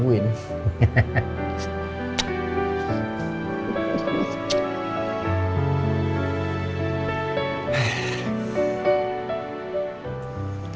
lihat ada angkanya